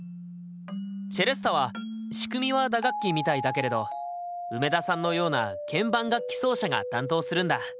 チェレスタは仕組みは打楽器みたいだけれど梅田さんのような鍵盤楽器奏者が担当するんだ。